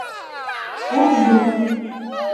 Ут юҡ!